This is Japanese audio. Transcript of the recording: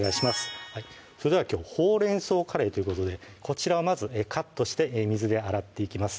それではきょう「ほうれん草カレー」ということでこちらをまずカットして水で洗っていきます